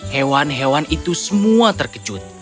hewan hewan itu semua terkejut